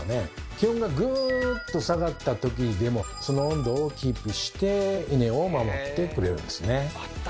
気温がグーッと下がったときでもその温度をキープしてイネを守ってくれるんですね。